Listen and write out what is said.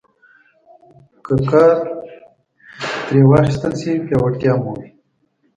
که کار ترې واخیستل شي پیاوړتیا مومي.